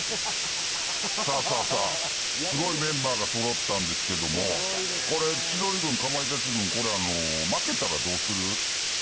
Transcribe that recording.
さあ、すごいメンバーがそろったんですけども千鳥軍、かまいたち軍負けたらどうする？